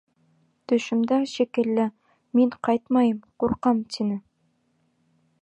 Төшөмдә, шикелле, мин ҡайтмайым, ҡурҡам, тине.